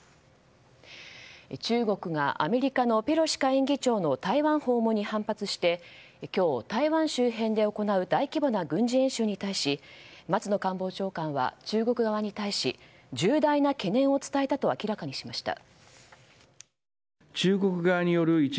中国がアメリカのペロシ下院議長の台湾訪問に反発して今日、台湾周辺で行う大規模な軍事演習に対し松野官房長官は中国側に対し重大な懸念を伝えたと明らかにしました。